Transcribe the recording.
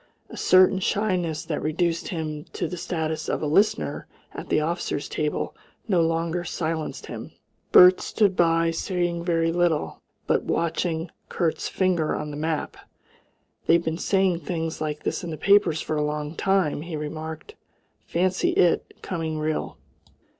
A certain shyness that reduced him to the status of a listener at the officers' table no longer silenced him. Bert stood by, saying very little, but watching Kurt's finger on the map. "They've been saying things like this in the papers for a long time," he remarked. "Fancy it coming real!"